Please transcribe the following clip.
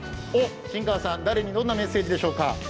誰にどんなメッセージでしょうか。